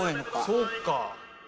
そうか。